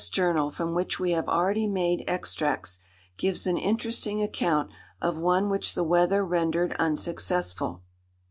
Journal from which we have already made extracts, gives an interesting account of one which the weather rendered unsuccessful.